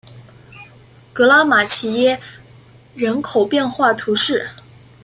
格拉马齐耶人口变化图示